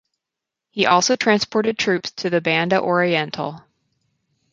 He also transported troops to the Banda Oriental.